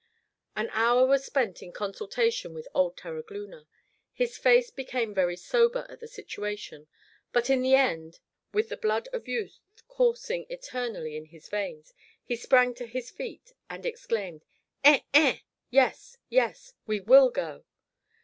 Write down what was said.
An hour was spent in consultation with old Terogloona. His face became very sober at the situation, but in the end, with the blood of youth coursing eternally in his veins, he sprang to his feet and exclaimed: "Eh eh!" (Yes yes) "We will go.